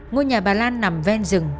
ngôi nhà bà lan nằm ven rừng